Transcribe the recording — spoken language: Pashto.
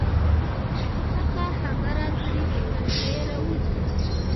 حقه خبره ترې په سختۍ راووځي.